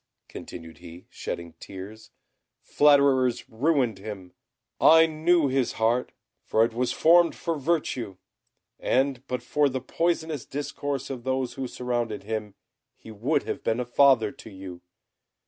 continued he, shedding tears, "flatterers ruined him. I knew his heart, it was formed for virtue; and but for the poisonous discourse of those who surrounded him, he would have been a father to you.